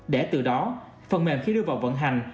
để từ đó phần mềm khi đưa vào vận hành